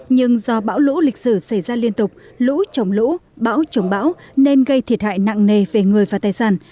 nhưng do bão lũ lịch sử xảy ra liên tục lũ chống lũ bão chống bão nên gây thiệt hại nặng nề về người và tài sản